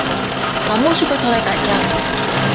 Kamu suka selai kacang?